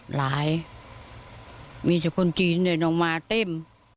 หลายมีจ่ะคนจีนนะเดี๋ยวน้องมาเต้ม